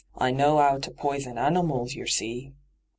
I knows *ow to poison animals, yer see.'